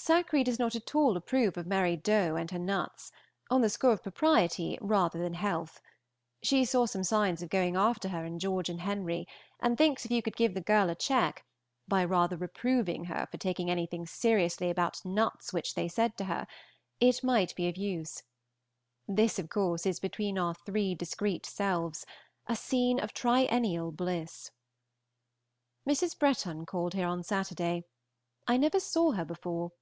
Sackree does not at all approve of Mary Doe and her nuts, on the score of propriety rather than health. She saw some signs of going after her in George and Henry, and thinks if you could give the girl a check, by rather reproving her for taking anything seriously about nuts which they said to her, it might be of use. This, of course, is between our three discreet selves, a scene of triennial bliss. Mrs. Breton called here on Saturday. I never saw her before.